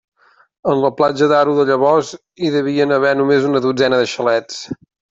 En la Platja d'Aro de llavors hi devien haver només una dotzena de xalets.